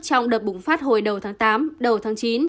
trong đợt bùng phát hồi đầu tháng tám đầu tháng chín